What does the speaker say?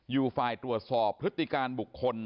อยู่ฝ่ายตรวจสอบพฤติการบุคคล